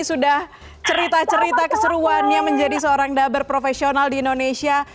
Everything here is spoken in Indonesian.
sudah cerita cerita keseruan yang menjadi seorang daber profesional di indonesia